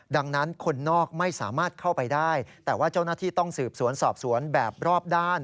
ดังนั้นคนนอกไม่สามารถเข้าไปได้แต่ว่าเจ้าหน้าที่ต้องสืบสวนสอบสวนแบบรอบด้าน